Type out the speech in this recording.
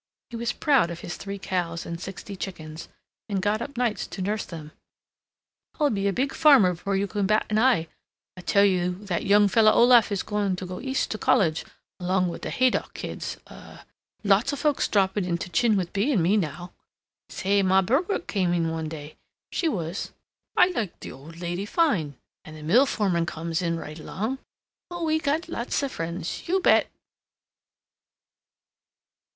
He was proud of his three cows and sixty chickens, and got up nights to nurse them. "I'll be a big farmer before you can bat an eye! I tell you that young fellow Olaf is going to go East to college along with the Haydock kids. Uh Lots of folks dropping in to chin with Bea and me now. Say! Ma Bogart come in one day! She was I liked the old lady fine. And the mill foreman comes in right along. Oh, we got lots of friends. You bet!"